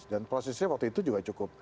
dan prosesnya waktu itu juga cukup